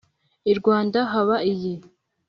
I Rwanda haba iyi